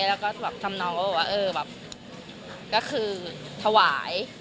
แล้วก็แบบทำนองก็บอกว่าเออแบบก็คือถวาย